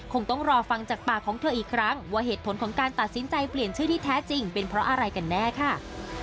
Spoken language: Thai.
คงต้องรอฟังจากปากของเธออีกครั้งว่าเหตุผลของการตัดสินใจเปลี่ยนชื่อที่แท้จริงเป็นเพราะอะไรกันแน่ค่ะ